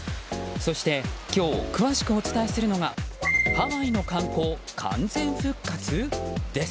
そして今日詳しくお伝えするのがハワイの観光、完全復活？です。